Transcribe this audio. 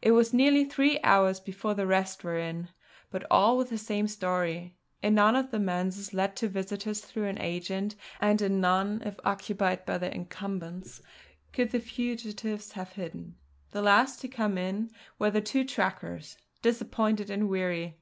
It was nearly three hours before the rest were in, but all with the same story; in none of the manses let to visitors through an agent, and in none if occupied by their incumbents, could the fugitives have hidden. The last to come in were the two trackers, disappointed and weary.